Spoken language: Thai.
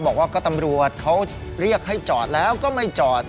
บอกว่าก็ตำรวจเขาเรียกให้จอดแล้วก็ไม่จอด